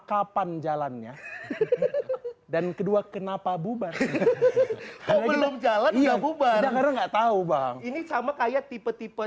kapan jalannya dan kedua kenapa bubar belum jalan enggak bubar enggak tahu bang ini sama kayak tipe tipe